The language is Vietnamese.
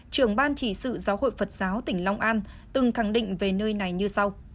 trưởng ban chỉ sự giáo hội phật giáo tỉnh long an từng khẳng định về nơi này như sau